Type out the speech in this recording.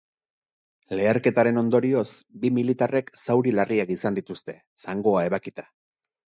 Leherketaren ondorioz, bi militarrek zauri larriak izan dituzte, zangoa ebakita.